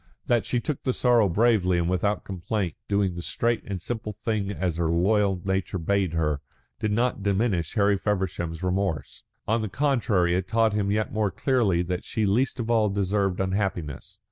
That she took the sorrow bravely and without complaint, doing the straight and simple thing as her loyal nature bade her, did not diminish Harry Feversham's remorse. On the contrary it taught him yet more clearly that she least of all deserved unhappiness.